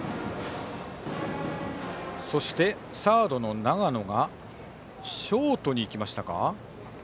そして、サードの永野がショートに行きましたか。